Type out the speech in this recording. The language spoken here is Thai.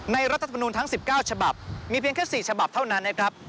รัฐธรรมนูลทั้ง๑๙ฉบับมีเพียงแค่๔ฉบับเท่านั้นนะครับ